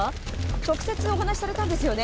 直接お話しされたんですよね？